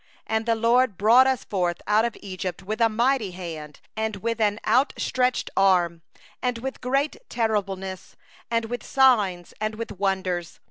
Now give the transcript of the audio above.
8And the LORD brought us forth out of Egypt with a mighty hand, and with an outstretched arm, and with great terribleness, and with signs, and with wonders.